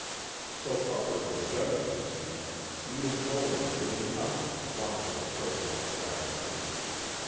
So far as the Judge could see, Edith Nolan was doing nothing to flaunt her personal attractiveness.